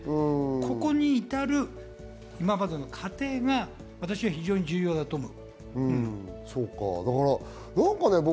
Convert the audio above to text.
ここに至る今までの過程が私は非常に重要だと思う。